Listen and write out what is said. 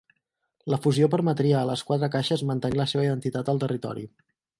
La fusió permetria a les quatre caixes mantenir la seva identitat al territori.